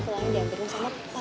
keluarga diambilin sama papi loh